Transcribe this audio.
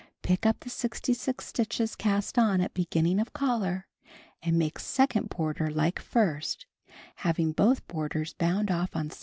Pick up the 66 stitches cast on at beginning of collar and make second border like first, having both borders bound off on same side.